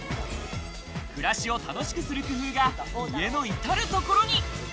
暮らしを楽しくする工夫が家のいたるところに。